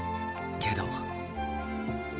けど。